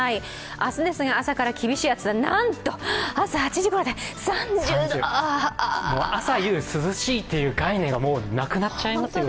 明日、朝から厳しい暑さ、なんと朝８時ごろで、３０朝・夕、涼しいという概念がなくなっちゃいますね。